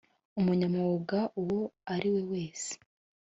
umunyamwuga uwo ari we wese